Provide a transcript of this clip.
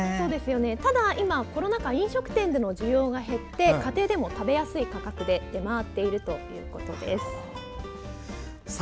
ただ、今、コロナ禍飲食店での需要が減って家庭でも食べやすい価格で出回っているということです。